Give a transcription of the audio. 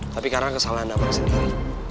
tapi karena kesalahan anda pada saat tadi